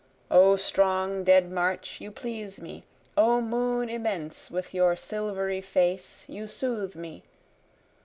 O strong dead march you please me! O moon immense with your silvery face you soothe me!